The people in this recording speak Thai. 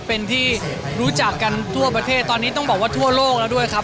เป็นที่รู้จักกันทั่วประเทศตอนนี้ต้องบอกว่าทั่วโลกแล้วด้วยครับ